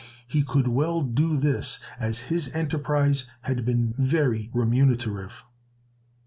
He could well do this, as his enterprise had been very remunerative.